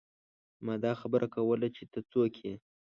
ما دا خبره کوله چې ته څوک يې ۔